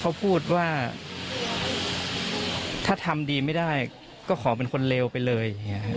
เขาพูดว่าถ้าทำดีไม่ได้ก็ขอเป็นคนเลวไปเลย